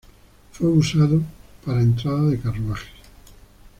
Fue usado para entrada de carruajes.